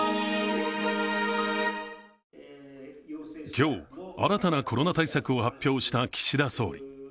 今日、新たなコロナ対策を発表した岸田総理。